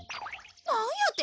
なんやて？